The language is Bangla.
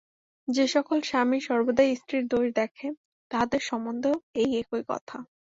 যে-সকল স্বামী সর্বদাই স্ত্রীর দোষ দেখে, তাহাদের সম্বন্ধেও এই একই কথা।